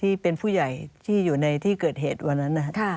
ที่เป็นผู้ใหญ่ที่อยู่ในที่เกิดเหตุวันนั้นนะครับ